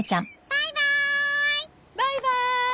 バイバーイ！